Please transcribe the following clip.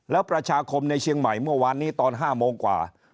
แล้วประชาคมในเชียงใหม่เมื่อวานนี้ตอน๕โมงกว่า